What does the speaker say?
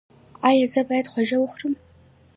ایا زه باید هوږه وخورم؟